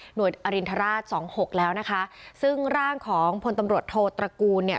อรินทราชสองหกแล้วนะคะซึ่งร่างของพลตำรวจโทตระกูลเนี่ย